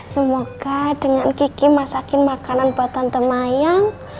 semoga dengan kiki masakin makanan buat tante mayang